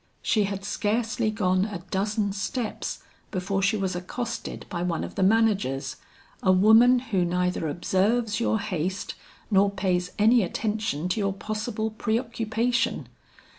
She had scarcely gone a dozen steps before she was accosted by one of the managers, a woman who neither observes your haste, nor pays any attention to your possible preoccupation.